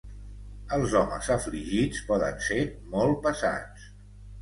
Els homes afligits poden ser molt pesats.